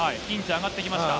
上がってきましたね。